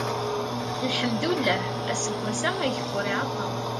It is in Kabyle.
lḥemdullah aseggas-a ageffur iɛeṭṭel